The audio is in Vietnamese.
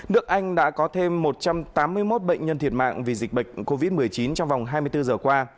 nước anh đã có thêm một trăm tám mươi một bệnh nhân thiệt mạng vì dịch bệnh covid một mươi chín trong vòng hai mươi bốn giờ qua